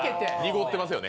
濁ってますよね。